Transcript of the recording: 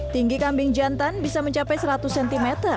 tinggi kambing jantan bisa mencapai seratus cm